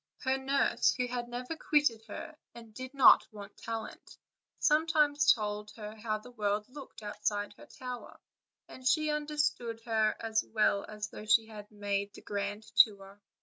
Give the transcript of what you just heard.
Her nurse, who had never quitted her, and did not want talent, sometimes told her how the world looked, 336 OLD, OLD FAIRY TALfiS. outside her tower; and she understood her as well a8 though she had made the grand tour.